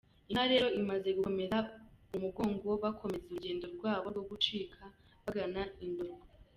Inka rero imaze gukomeza umugongo, bakomeza urugendo rwabo rwo gucika, bagana i Ndorwa.